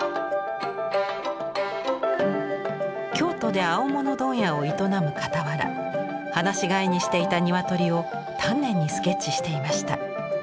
京都で青物問屋を営むかたわら放し飼いにしていた鶏を丹念にスケッチしていました。